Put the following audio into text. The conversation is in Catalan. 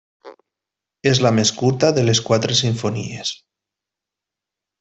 És la més curta de les quatre simfonies.